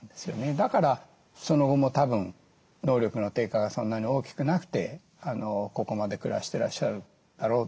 だからその後もたぶん能力の低下がそんなに大きくなくてここまで暮らしてらっしゃるだろうと思います。